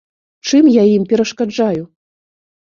Чым я ім перашкаджаю?